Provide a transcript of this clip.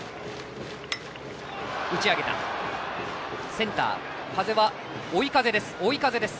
センター、追い風です。